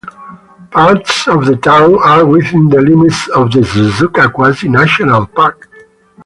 Parts of the town are within the limits of the Suzuka Quasi-National Park.